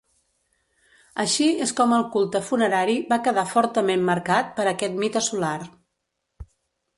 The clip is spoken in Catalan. Així és com el culte funerari va quedar fortament marcat per aquest mite solar.